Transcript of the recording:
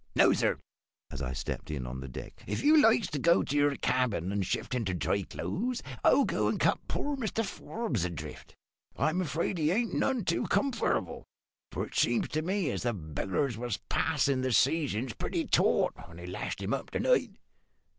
Now, sir," as I stepped in on deck, "if you likes to go to your cabin and shift into dry clothes, I'll go and cut poor Mr Forbes adrift. I am afraid he ain't none too comfortable, for it seemed to me as the beggars was passin' the seizings pretty taut when they lashed him up to night."